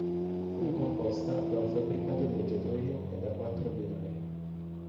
Era composta da un fabbricato viaggiatori e da quattro binari.